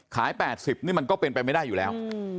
ขาย๘๐นี่มันก็เป็นไปไม่ได้อยู่แล้ว